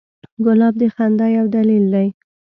ګلاب د خندا یو دلیل دی.